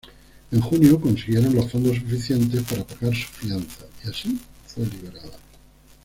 En junio, consiguieron los fondos suficientes para pagar su fianza, y así fue liberada.